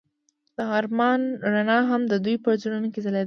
د آرمان رڼا هم د دوی په زړونو کې ځلېده.